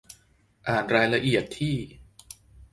อ่านรายละเอียดที่